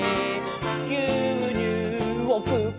「ぎゅうにゅうをくばる」